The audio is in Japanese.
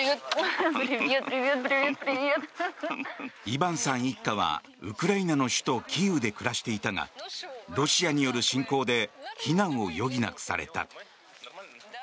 イバンさん一家はウクライナの首都キーウで暮らしていたがロシアによる侵攻で避難を余儀なくされた。